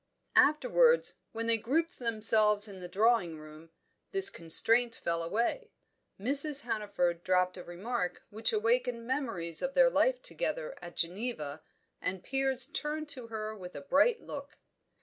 Afterwards, when they grouped themselves in the drawing room, this constraint fell away. Mrs. Hannaford dropped a remark which awakened memories of their life together at Geneva, and Piers turned to her with a bright look.